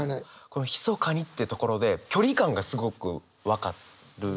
この「ひそかに」ってところで距離感がすごく分かる。